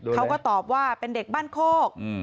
เขาก็ตอบว่าเป็นเด็กบ้านโคก